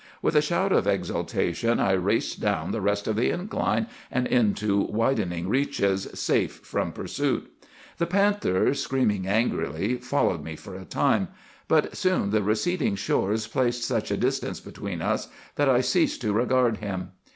With a shout of exultation I raced down the rest of the incline and into widening reaches, safe from pursuit. The panther, screaming angrily, followed me for a time; but soon the receding shores placed such a distance between us that I ceased to regard him.